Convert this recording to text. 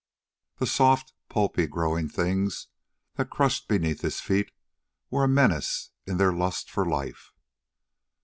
The soft, pulpy, growing things that crushed beneath his feet were a menace in their lust for life.